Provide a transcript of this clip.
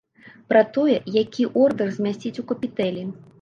Пра тое, які ордар змясціць у капітэлі.